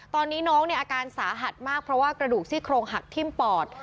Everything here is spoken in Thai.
ตอนนี้น้องเนี่ยอาการสาหัสมากเพราะว่ากระดูกซี่โครงหักทิ้มปอด